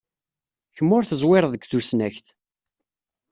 Kemm ur teẓwireḍ deg tusnakt.